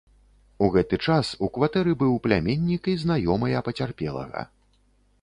У гэты час у кватэры быў пляменнік і знаёмыя пацярпелага.